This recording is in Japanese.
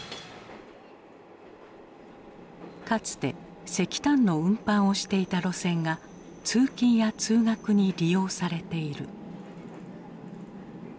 かつて石炭の運搬をしていた路線が通勤や通学に利用されている。